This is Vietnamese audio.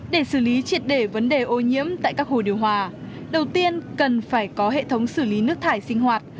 để xử lý triệt để vấn đề ô nhiễm tại các hồ điều hòa đầu tiên cần phải có hệ thống xử lý nước thải sinh hoạt